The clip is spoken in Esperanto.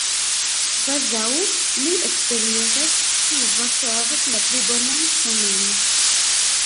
kvazaŭ li eksperimentas kiu vorto havas la pli bonan sonon.